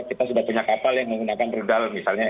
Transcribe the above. kita sudah punya kapal yang menggunakan rudal misalnya